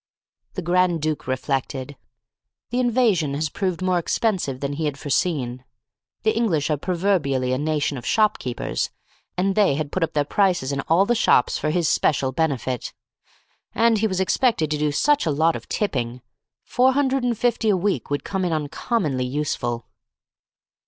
The Grand Duke reflected. The invasion has proved more expensive than he had foreseen. The English are proverbially a nation of shopkeepers, and they had put up their prices in all the shops for his special benefit. And he was expected to do such a lot of tipping. Four hundred and fifty a week would come in uncommonly useful.